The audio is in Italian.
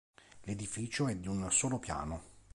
L'edificio è di un solo piano.